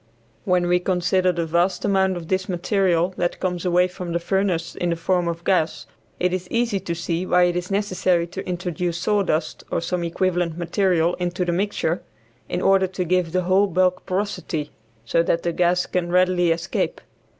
When we consider the vast amount of material that comes away from the furnace in the form of gas it is easy to see why it is necessary to introduce sawdust or some equivalent material into the mixture, in order to give the whole bulk porosity, so that the gas can readily escape.